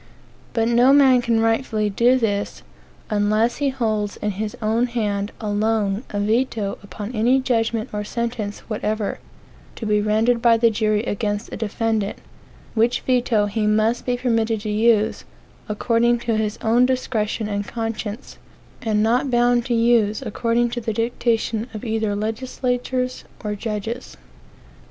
But no man can rightfully do this, unless he hold in his own hand alone a veto upon any judgment or sentence whatever to be rendered by the jury against a defendant, which veto he must be permitted to use according to his own discretion and conscience, and not bound to use according to the dictation of either legislatures or judges.